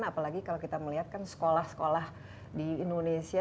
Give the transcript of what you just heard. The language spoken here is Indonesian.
apalagi kalau kita melihat kan sekolah sekolah di indonesia